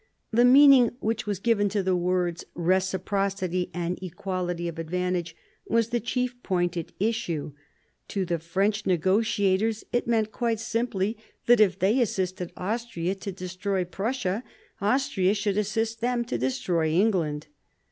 The meaning which was given to the words " reciprocity and equality of advantage " was the chief point at issue. To the French negotiators it meant quite simply that if they assisted Austria to destroy Prussia, Austria should assist them to destroy England.